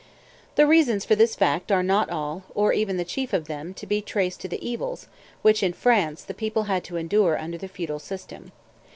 The reasons for this fact are not all, or even the chief of them, to be traced to the evils which, in France, the people had to endure under the feudal system.